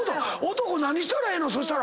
男何したらええの？